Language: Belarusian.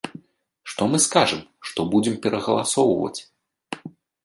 Што мы скажам, што будзем перагаласоўваць?